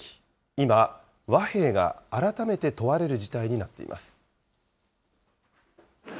今、和平が改めて問われる事態になっています。